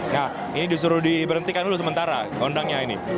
nah ini disuruh diberhentikan dulu sementara gondangnya ini